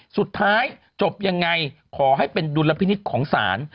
สุดท้ายจบยังไงขอให้เป็นดุลพินิษฐ์ของศาล